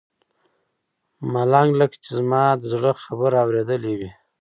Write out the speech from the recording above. ملنګ لکه چې زما د زړه خبره اورېدلې وي.